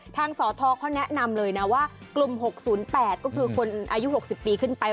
สทเขาแนะนำเลยนะว่ากลุ่ม๖๐๘ก็คือคนอายุ๖๐ปีขึ้นไป